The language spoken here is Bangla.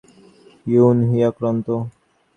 ইয়ুন হি আক্রান্ত।